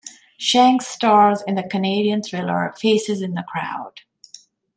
Shanks stars in the Canadian thriller "Faces in the Crowd".